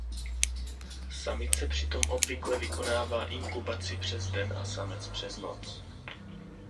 Samice přitom obvykle vykonává inkubaci přes den a samec přes noc.